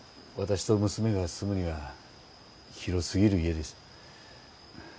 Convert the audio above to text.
私と娘が住むには広すぎる家です